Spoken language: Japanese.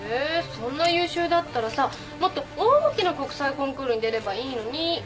そんな優秀だったらさもっと大きな国際コンクールに出ればいいのに。